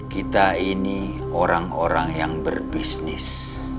kita ini orang orang yang berbisnis